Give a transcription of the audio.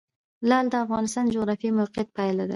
لعل د افغانستان د جغرافیایي موقیعت پایله ده.